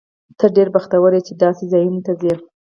ته ډېر بختور یې، چې داسې ځایونو ته ځې.